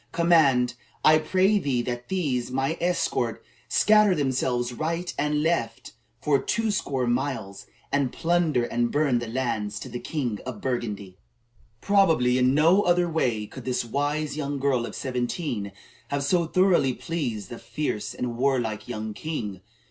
Command, I pray thee, that these, my escort, scatter themselves right and left for twoscore miles, and plunder and burn the lands of the king of Burgundy." Probably in no other way could this wise young girl of seventeen have so thoroughly pleased the fierce and warlike young king.